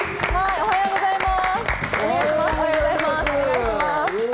おはようございます。